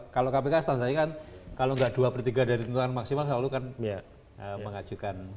kalau kpk standarnya kan kalau nggak dua per tiga dari tuntutan maksimal selalu kan mengajukan